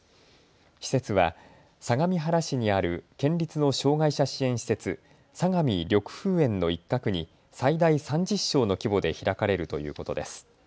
施設は相模原市にある県立の障害者支援施設、さがみ緑風園の一角に最大３０床の規模で開かれるということです。